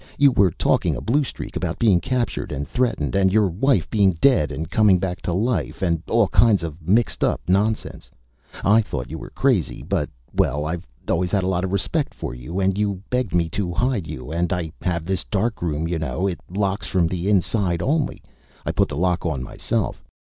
You were talking a blue streak about being captured and threatened, and your wife being dead and coming back to life, and all kinds of mixed up nonsense. I thought you were crazy. But well, I've always had a lot of respect for you. And you begged me to hide you and I have this darkroom, you know. It locks from the inside only. I put the lock on myself.